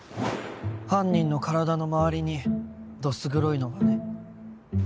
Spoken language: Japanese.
犯人の体の周りにどす黒いのがね。